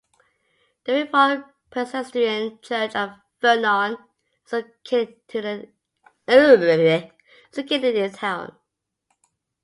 The Reformed Presbyterian Church of Vernon is located in the town.